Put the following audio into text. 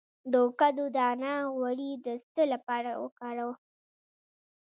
د کدو دانه غوړي د څه لپاره وکاروم؟